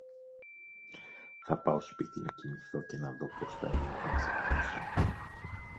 Θα πάω σπίτι να κοιμηθώ και να δω πώς θα είμαι όταν ξυπνήσω